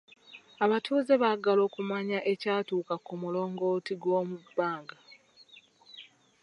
Abatuuze baagala okumanya ekyatuuka ku mulongooti gwomu bbanga.